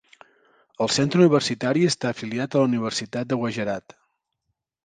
El centre universitari està afiliat a la Universitat de Gujarat.